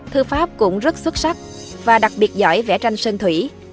thư pháp cũng rất xuất sắc và đặc biệt giỏi vẽ tranh sơn thủy